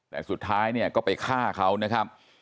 แต่สุดท้ายเนี่ยก็ไปฆ่าเขานะครับ